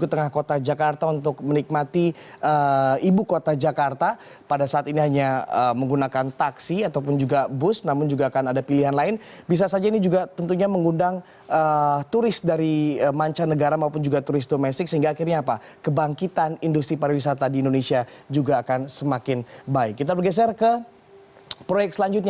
sehingga akhirnya kita akan bergeser ke proyek selanjutnya